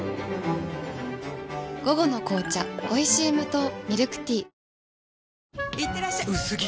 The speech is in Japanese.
午後の紅茶おいしい無糖ミルクティーいってらっしゃ薄着！